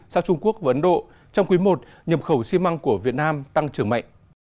sau trung quốc và ấn độ trong quý i nhập khẩu xi măng của việt nam tăng trưởng mạnh